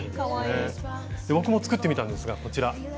僕も作ってみたんですがこちら。